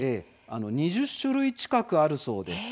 ２０種類近くあるそうです。